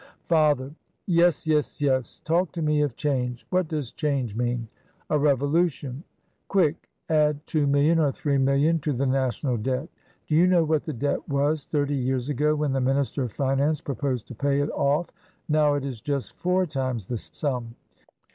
Father. "Yes, yes, yes! talk to me of change! what does change mean? A Revolution. Quick, add 2,000,000 or 3,000,000 to the national debt. Do you know what the debt was thirty years ago when the minister of finance proposed to pay it off? Now it is just four times the sum!